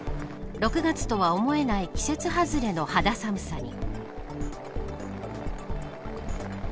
６月とは思えない季節外れの肌寒さに。